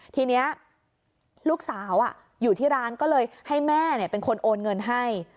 ทีนี้ลูกสาวอยู่ที่ร้านก็เลยให้แม่เป็นคนโอนเงินให้